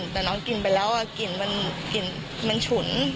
แต่น้องกินไปแล้วกลิ่นมันฉุน